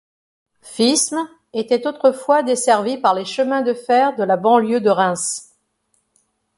Fismes était autrefois desservie par les chemins de fer de la Banlieue de Reims.